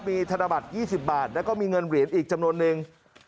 มีธนบัตร๒๐บาทแล้วก็มีเงินเหรียญอีกจำนวนนึง